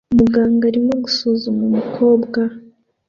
Muganga arimo gusuzuma umukobwa